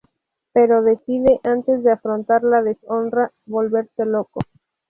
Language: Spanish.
Pero decide, antes de afrontar la deshonra, volverse loco.